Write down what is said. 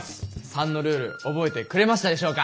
３のルール覚えてくれましたでしょうか？